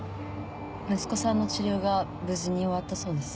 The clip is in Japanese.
息子さんの治療が無事に終わったそうです。